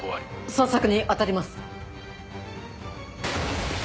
捜索に当たります。